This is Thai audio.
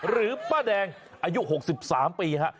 หรือป้าแดงอายุ๖๓ปี